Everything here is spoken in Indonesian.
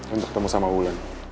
untuk temu sama ulan